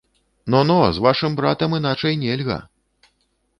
Но, но, з вашым братам іначай нельга.